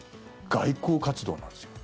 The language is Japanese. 外交活動なんですよ。